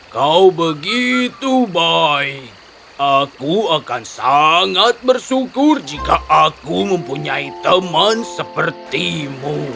kau begitu baik aku akan sangat bersyukur jika aku mempunyai teman sepertimu